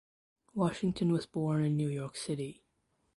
Washington was born in New York City.